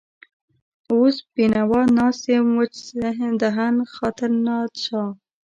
وس بېنوا ناست يم وچ دهن، خاطر ناشاده